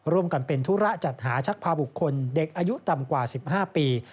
ร่วมกันเป็นธุระจัดหาชักพาบุคคลเด็กอายุต่ำกว่า๑๕ปี